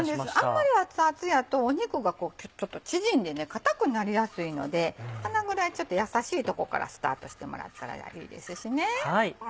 あんまり熱々やと肉がちょっと縮んで硬くなりやすいのでこのぐらいちょっとやさしいとこからスタートしてもらったらいいですしね。